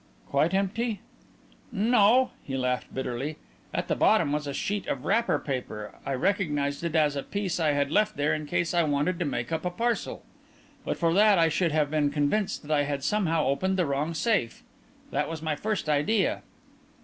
"Quite empty?" "No." He laughed bitterly. "At the bottom was a sheet of wrapper paper. I recognized it as a piece I had left there in case I wanted to make up a parcel. But for that I should have been convinced that I had somehow opened the wrong safe. That was my first idea."